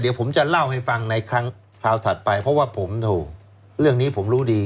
เดี๋ยวผมจะเล่าให้ฟังในครั้งคราวถัดไปเพราะว่าผมถูกเรื่องนี้ผมรู้ดี